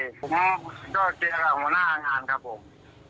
ผมก็เจอกับหัวหน้างานครับผม